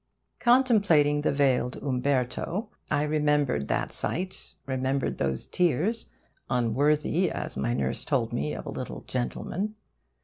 Contemplating the veiled Umberto, I remembered that sight, remembered those tears unworthy (as my nurse told me) of a little gentleman.